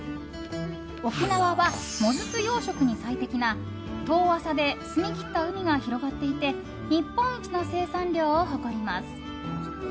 沖縄はモズク養殖に最適な遠浅で澄み切った海が広がっていて日本一の生産量を誇ります。